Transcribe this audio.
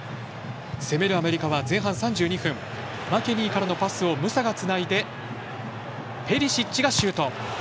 攻めるアメリカは前半３２分マケニーからのパスをムサがつないでプリシッチがシュート。